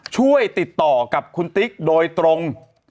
ช่วยติดต่อกับคุณติ๊กโดยตรง